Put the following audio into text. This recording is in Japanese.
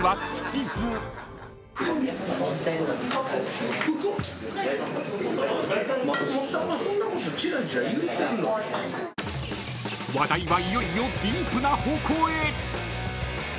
［話題はいよいよディープな方向へ］